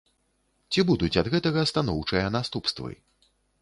Ці будуць ад гэтага станоўчыя наступствы?